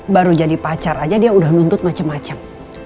baru jadi pacar aja dia udah nuntut macem macem